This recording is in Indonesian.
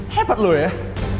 hebat lu eh